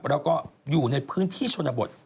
แล้วก็อยู่ในพื้นที่ชนบท